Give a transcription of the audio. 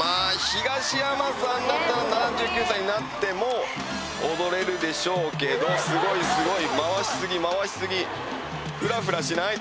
東山さんだったら７９歳になっても踊れるでしょうけどすごいすごい回しすぎ回しすぎフラフラしない？